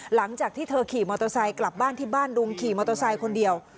หลังจากที่เธอขี่มอเตอร์ไซค์กลับบ้านที่บ้านดุงขี่มอเตอร์ไซค์คนเดียว